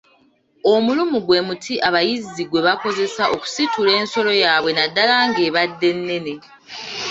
Omuluumu gwe muti abayizzi gwebakozesa okusitula ensolo yaabwe naddala ng’ebadde nnene.